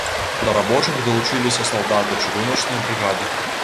Да рабочых далучыліся салдаты чыгуначнай брыгады.